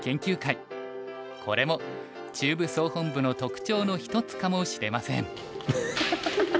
これも中部総本部の特徴の一つかもしれません。